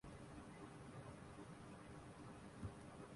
یہاں پیمان تسلیم و رضا ایسے نہیں ہوتا